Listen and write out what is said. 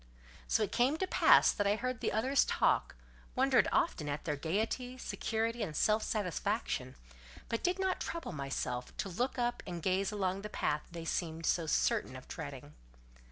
So it came to pass that I heard the others talk, wondered often at their gaiety, security, and self satisfaction, but did not trouble myself to look up and gaze along the path they seemed so certain of treading.